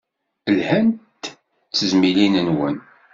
Lhant tezmilin-nwen?